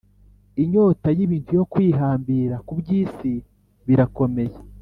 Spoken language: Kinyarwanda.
inyota y’ibintu no kwihambira ku by’isibirakomeye